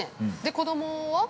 ◆子供は？